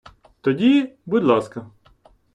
Тоді, будь ласка.